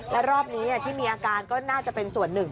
และรอบนี้ที่มีอาการก็น่าจะเป็นส่วนหนึ่ง